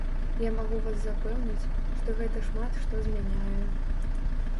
Я магу вас запэўніць, што гэта шмат што змяняе.